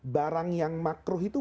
barang yang makruh itu